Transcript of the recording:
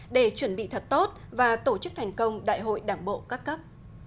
để chuẩn bị thật tốt và tổ chức thành công đại hội đảng bộ các cấp